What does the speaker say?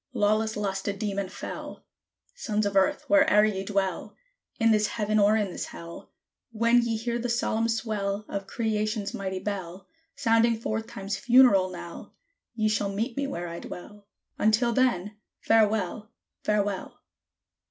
Lawless Lust a demon fell! Sons of Earth! where'er ye dwell, In this Heaven, or in this Hell, When ye hear the solemn swell Of Creation's mighty bell Sounding forth Time's funeral knell, Ye shall meet me where I dwell; Until then FAREWELL! FAREWELL!